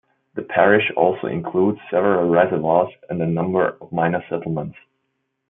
The parish also includes several reservoirs, and a number of minor settlements.